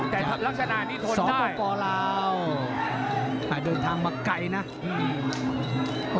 แต่ลักษณะนี้ทนได้ปลาวอ่าเดินทางมาไกลนะอืม